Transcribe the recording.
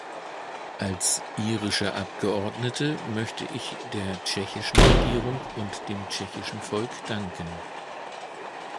Als irische Abgeordnete möchte ich der tschechischen Regierung und dem tschechischen Volk danken.